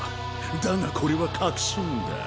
だがこれは確信だ。